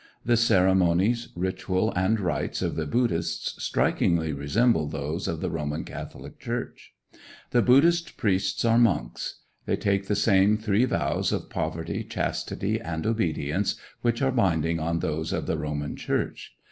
The ceremonies, ritual, and rites of the Buddhists strikingly resemble those of the Roman Catholic Church. The Buddhist priests are monks. They take the same three vows of poverty, chastity, and obedience which are binding on those of the Roman Church.